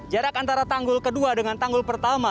jarak antara tanggul kedua dengan tanggul pertama